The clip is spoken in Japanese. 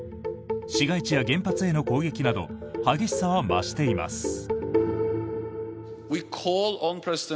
市街地や原発への攻撃など激しさは増しています。